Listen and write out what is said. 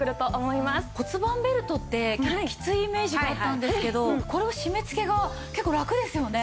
骨盤ベルトってきついイメージがあったんですけどこれは締め付けが結構ラクですよね。